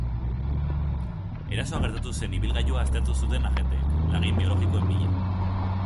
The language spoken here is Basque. Erasoa gertatu zen ibilgailua aztertu zuten agenteek, lagin biologikoen bila.